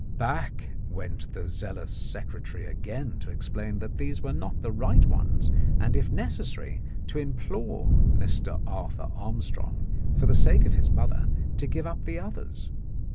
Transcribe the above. Back went the zealous secre tary again to explain that these were not the right ones, and, if necessary, to implore Mr. Arthur Arm strong, for the sake of his mother, to give up the others.